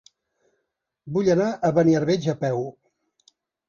Vull anar a Beniarbeig a peu.